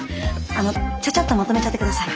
あのちゃちゃっとまとめちゃって下さい。